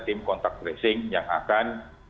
tim kontak tracing yang akan